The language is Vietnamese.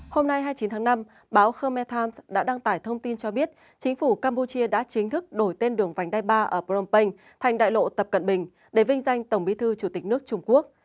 hôm nay hai mươi chín tháng năm báo khmer times đã đăng tải thông tin cho biết chính phủ campuchia đã chính thức đổi tên đường vành đai ba ở phnom penh thành đại lộ tập cận bình để vinh danh tổng bí thư chủ tịch nước trung quốc